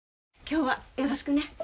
今日はよろしくね。